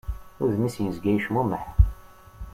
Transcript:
Udem-is yezga yecmumeḥ.